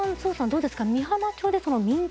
どうですか。